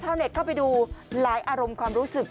เช่าเน็ตเข้าไปดูหลายอารมณ์ความรู้สึก